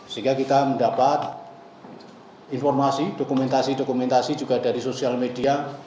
sehingga kita mendapat informasi dokumentasi dokumen dokumentasi juga dari sosial media